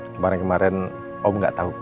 kemarin kemarin om gak tau